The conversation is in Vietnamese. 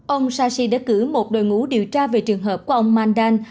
ông sashi đã cử một đội ngũ điều tra về trường hợp của ông mandan